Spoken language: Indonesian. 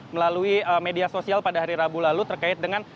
melalui media sosial pada hari rabu lalu terkait dengan